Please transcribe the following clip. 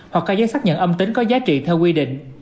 hoặc các giấy xác nhận âm tính có giá trị theo quy định